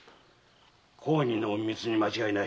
公儀の隠密に間違いない。